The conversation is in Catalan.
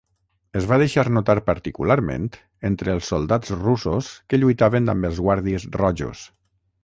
Es va deixar notar particularment entre els soldats russos que lluitaven amb els Guàrdies Rojos.